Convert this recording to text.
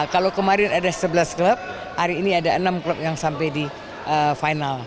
kalau kemarin ada sebelas klub hari ini ada enam klub yang sampai di final